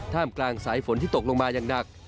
กลางสายฝนที่ตกลงมาอย่างหนัก